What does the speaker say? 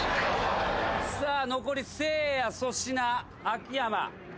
さあ残りせいや粗品秋山。